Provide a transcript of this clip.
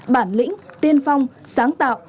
bản lĩnh tiên phong sáng tạo